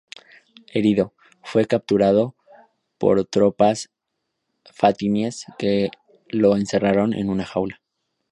Herido, fue capturado por las tropas fatimíes, que lo encerraron en una jaula.